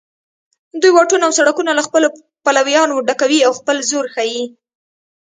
دوی واټونه او سړکونه له خپلو پلویانو ډکوي او خپل زور ښیي